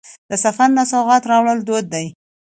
د سفر نه سوغات راوړل دود دی.